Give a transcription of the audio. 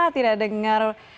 ah tidak dengar